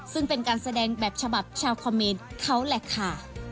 ซึ่งเป็นการแสดงแบบฉบับชาวคอเมนเขาแหละค่ะ